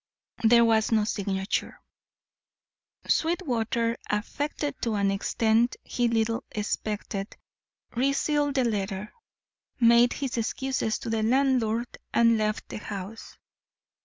There was no signature. Sweetwater, affected to an extent he little expected, resealed the letter, made his excuses to the landlord, and left the house.